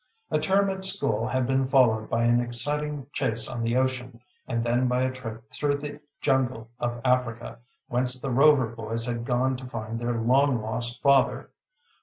A term at school had been followed by an exciting chase on the ocean, and then by a trip through the jungle of Africa, whence the Rover boys had gone to find their long lost father.